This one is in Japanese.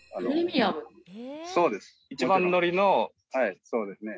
そうです。